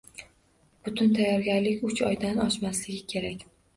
Butun tayyorgarlik uch oydan oshmasligi kerak.